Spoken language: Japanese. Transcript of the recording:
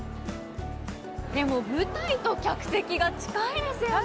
でも舞台と客席が近いですよね。